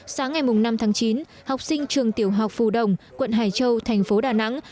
sáng ngày năm tháng chín học sinh trường tiểu học phù đồng quận hải châu thành phố đà nẵng